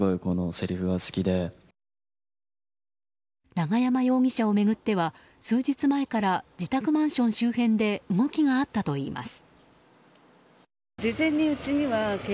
永山容疑者を巡っては数日前から自宅マンション周辺で動きがあったといいます。